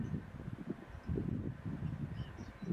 死于任上。